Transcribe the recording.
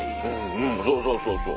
うんそうそうそうそう。